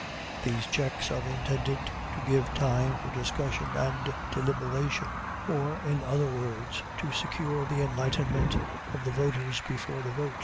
These checks are intended to give time for discussion and deliberation, or, in other words, to secure the enlightenment of the voters before the vote.